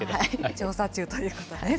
調査中ということです。